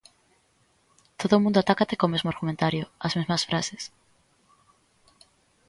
Todo o mundo atácate co mesmo argumentario, as mesmas frases.